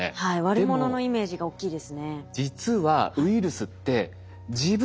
悪者のイメージが大きいですね。